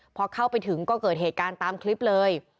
พอเข้าไปถึงก็เกิดเหตุการณ์ตามคลิปเลย